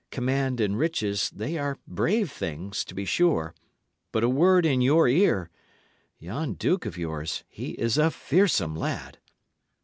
Command and riches, they are brave things, to be sure; but a word in your ear yon duke of yours, he is a fearsome lad."